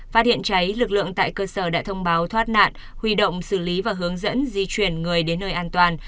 phát hiện cháy lực lượng tại cơ sở đã thông báo thoát nạn huy động xử lý và hướng dẫn di chuyển người đến nơi an toàn